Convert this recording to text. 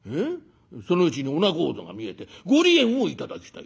そのうちにお仲人が見えて『ご離縁を頂きたい』